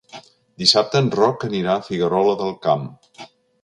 Dissabte en Roc anirà a Figuerola del Camp.